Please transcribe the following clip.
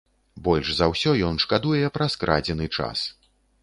Больш за ўсё ён шкадуе пра скрадзены час.